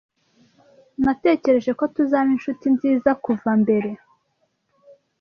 Natekereje ko tuzaba inshuti nziza kuva mbere.